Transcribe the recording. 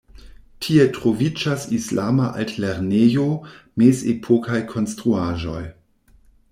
Tie troviĝas islama altlernejo, mezepokaj konstruaĵoj.